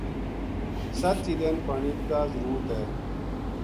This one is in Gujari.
ست چیدین پانی کا ضرورت ہے‘‘